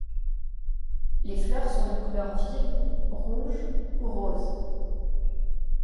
Les fleurs sont de couleur vive, rouges ou roses.